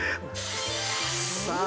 さあ